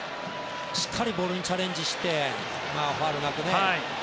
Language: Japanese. しっかりボールにチャレンジしてファウルなくね。